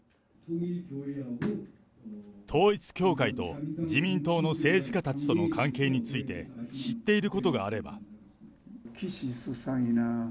統一教会と自民党の政治家たちとの関係について、知っていることがあれば？